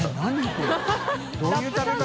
これどういう食べ方？